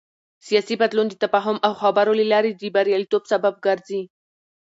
سیاسي بدلون د تفاهم او خبرو له لارې د بریالیتوب سبب ګرځي